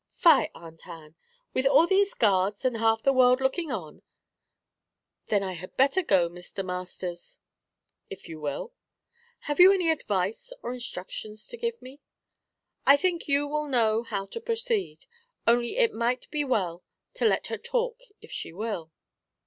'Fie! Aunt Ann with all these guards and half the world looking on? Then I had better go, Mr. Masters.' 'If you will.' 'Have you any advice or instructions to give me?' 'I think you will know how to proceed. Only it might be well to let her talk, if she will.'